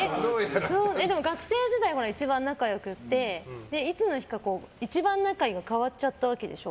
でも、学生時代一番仲良くていつの日か一番仲良いが変わっちゃったわけでしょ？